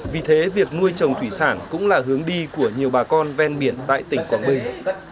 vì thế việc nuôi trồng thủy sản cũng là hướng đi của nhiều bà con ven biển tại tỉnh quảng bình